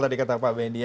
baru ke atas